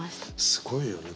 すごいよね